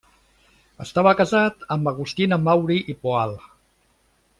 Estava casat amb Agustina Mauri i Poal.